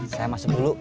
saya masuk dulu